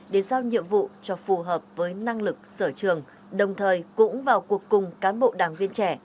để giao nhiệm vụ cho phù hợp với năng lực sở trường đồng thời cũng vào cuộc cùng cán bộ đảng viên trẻ